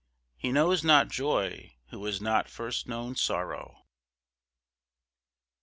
He knows not joy who has not first known sorrow.